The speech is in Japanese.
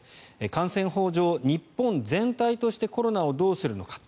感染法上、日本全体としてコロナをどうするのか。